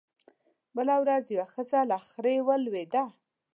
بله ورځ يوه ښځه له خرې ولوېده